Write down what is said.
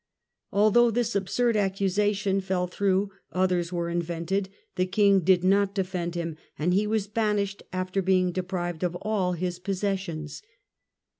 Although this absurd accusation fell through, others were invented, the King did not defend him, and he was banished after being deprived of all his possessions.